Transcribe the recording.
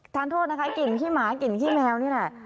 ทานโทษนะคะกลิ่นขี้หมากลิ่นขี้แมวนี่แหละ